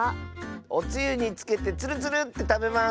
おつゆにつけてツルツルッてたべます。